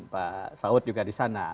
pak saud juga di sana